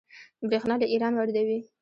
بریښنا له ایران واردوي